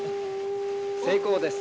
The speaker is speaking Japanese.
成功です。